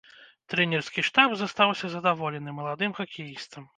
Трэнерскі штаб застаўся задаволены маладым хакеістам.